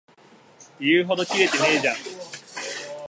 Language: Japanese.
言うほどキレてないじゃん